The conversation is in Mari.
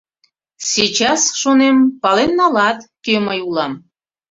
Сейчас, — шонем, — пален налат, кӧ мый улам».